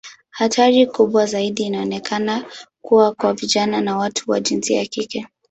Hatari kubwa zaidi inaonekana kuwa kwa vijana na watu wa jinsia ya kike.